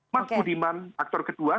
mas budiman aktor kedua